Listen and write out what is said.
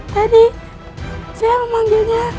tadi saya memanggilnya